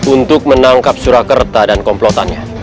untuk menangkap surakarta dan komplotannya